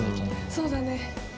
そうだね。